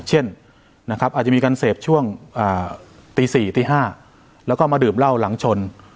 เช่นอาจจะมีการเสพช่วงตี๔ตี๕แล้วก็มาดื่มเหล้าหลังชน